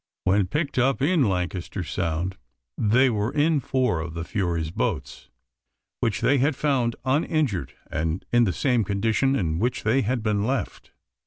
When picked up in Lancaster Sound, they were in four of the Fury's boats, which they had "found uninjured, and in the same condition in which they had been left."